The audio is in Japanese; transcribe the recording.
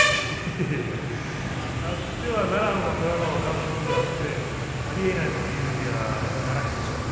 いやあってはならんはただの願望であってありえないの理由にはならへんでしょ。